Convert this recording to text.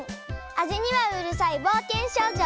あじにはうるさいぼうけんしょうじょ